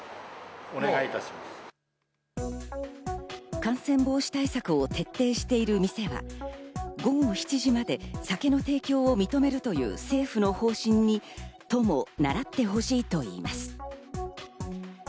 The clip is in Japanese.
感染防止対策を徹底している店は午後７時まで酒の提供を認めるという政府の方針に都もならってほしいと言います。